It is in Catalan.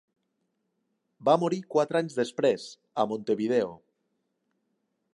Va morir quatre anys després, a Montevideo.